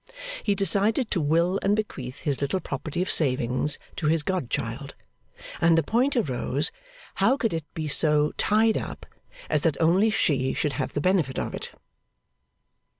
He decided to will and bequeath his little property of savings to his godchild, and the point arose how could it be so 'tied up' as that only she should have the benefit of it?